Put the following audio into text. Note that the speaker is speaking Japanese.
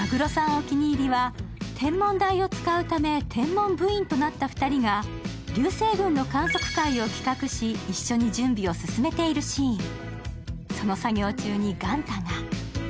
お気に入りは、天文台を使うため天文部員となった２人が流星群の観測会を企画し、一緒に準備を進めているシーン、その作業中にガンタが。